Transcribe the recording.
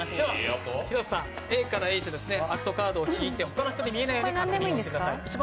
広瀬さん、ＡＨのアクトカードを引いて他の人に見えないように確認をしてください。